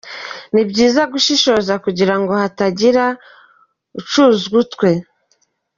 Ni byiza gushishoza kugira ngo hatagira ucuzwa utwe.